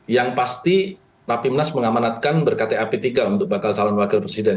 yang pasti rapimnas mengamanatkan berkata p tiga untuk bakal calon wakil presiden